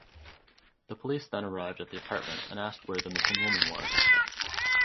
The police then arrived at the apartment and asked where the missing woman was.